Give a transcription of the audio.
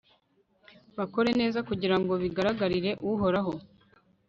bakore neza kugira ngo bigaragire uhoraho